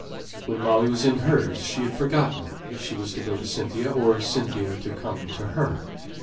When Molly was in hers she had forgotten whether she was to go to Cynthia, or Cynthia to come to her.